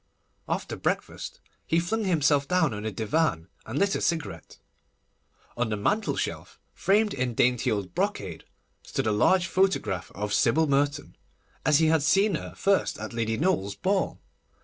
After breakfast, he flung himself down on a divan, and lit a cigarette. On the mantel shelf, framed in dainty old brocade, stood a large photograph of Sybil Merton, as he had seen her first at Lady Noel's ball.